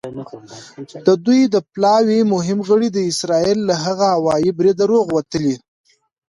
د دوی د پلاوي مهم غړي د اسرائیل له هغه هوايي بریده روغ وتلي.